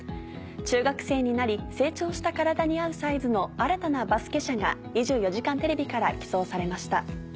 中学生になり成長した体に合うサイズの新たなバスケ車が『２４時間テレビ』から寄贈されました。